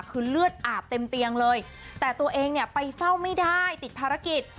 คือเลือดอาบเต็มเตียงเลยแต่ตัวเองเนี่ยไปเฝ้าไม่ได้ติดภารกิจ